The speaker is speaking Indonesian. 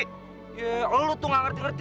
kamu tidak mengerti